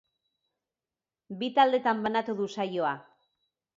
Bi taldetan banatu du saioa.